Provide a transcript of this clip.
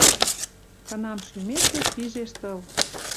Кынам шӱмешет пижеш тыл